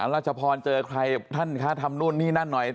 รัชพรเจอใครท่านคะทำนู่นนี่นั่นหน่อย